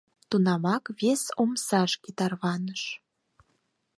Тунамак вес омсашке тарваныш.